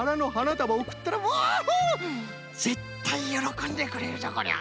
たばをおくったらぜったいよろこんでくれるぞこりゃ。